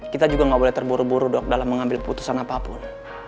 kita juga gak boleh terburu buru dok dalam mengambil putusan apapun